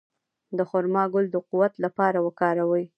د خرما ګل د قوت لپاره وکاروئ